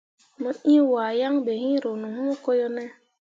Mo ĩĩ wahe yaŋ be iŋ ro ne hũũ ko yo ne ?